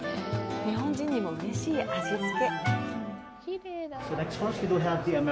日本人にもうれしい味つけ。